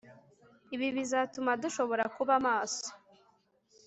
ibi bizatuma dushobora kuba maso